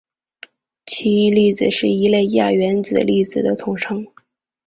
奇异粒子是一类亚原子粒子的统称。